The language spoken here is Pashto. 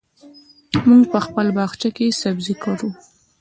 موږ په خپل باغچه کې سبزي کرو.